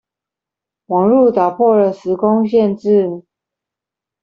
網路打破了時空限制